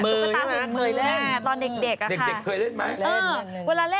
ฝุ่นมือใช่ไหมครับเคยเล่นเด็กเคยเล่นไหมเล่น